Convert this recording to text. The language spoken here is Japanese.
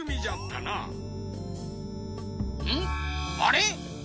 あれ？